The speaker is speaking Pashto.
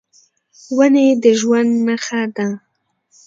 ونې د ژوند نښه ده.